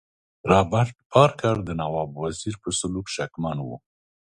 رابرټ بارکر د نواب وزیر پر سلوک شکمن وو.